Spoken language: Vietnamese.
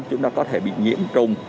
chúng ta có thể bị nhiễm trùng